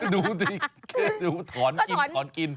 ดูท้อนกิน